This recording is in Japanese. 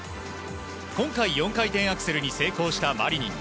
今回、４回転アクセルに成功したマリニン。